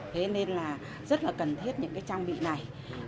thế nên là rất là cần thiết những cái trang bị này